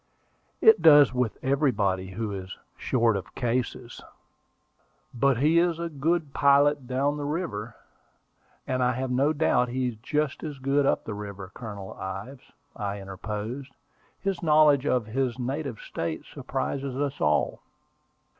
"It does with everybody who is short of cases." "But he is a good pilot down the river, and I have no doubt he is just as good up the river, Colonel Ives," I interposed. "His knowledge of his native State surprises us all."